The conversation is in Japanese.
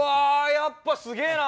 やっぱすげえな！